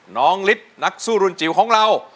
น้องลิฟต์นักสู้รุนจิ๋วของเรา